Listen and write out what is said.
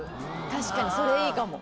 確かにそれいいかも。